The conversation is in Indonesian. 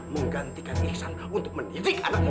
menggantikan lisan untuk mendidik anaknya